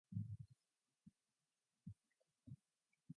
Norway and Germany will buy submarines together to mutualize expenses.